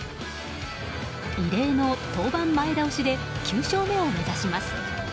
異例の登板前倒しで９勝目を目指します。